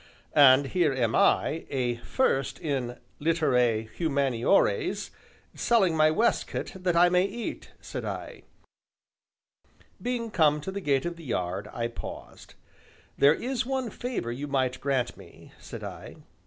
"And here am I, a 'first' in 'Litterae Humaniores,' selling my waistcoat that I may eat," said I. Being come to the gate of the yard, I paused. "There is one favor you might grant me," said I.